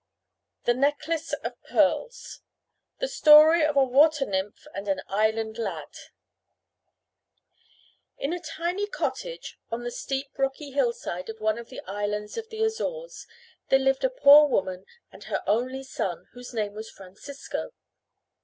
THE NECKLACE OF PEARLS The Story of a Water nymph and an Island Lad In a tiny cottage on the steep rocky hillside of one of the islands of the Azores there lived a poor woman and her only son whose name was Francisco.